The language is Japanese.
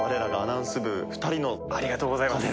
ありがとうございます。